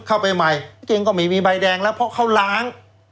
เข้าไปใหม่จริงก็ไม่มีใบแดงแล้วเพราะเขาล้าง